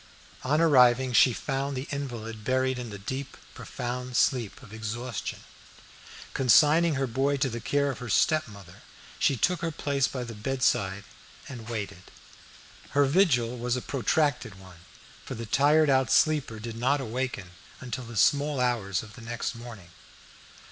On arriving she found the invalid buried in the deep, profound sleep of exhaustion. Consigning her boy to the care of her stepmother, she took her place by the bedside and waited. Her vigil was a protracted one, for the tired out sleeper did not awaken until the small hours of the next morning.